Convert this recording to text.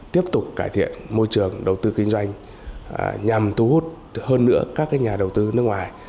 tiếp tục cải thiện môi trường đầu tư kinh doanh nhằm thu hút hơn nữa các nhà đầu tư nước ngoài